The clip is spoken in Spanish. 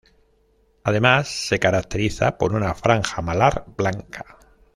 Además se caracteriza por una franja malar blanca.